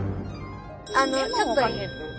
あのちょっといい？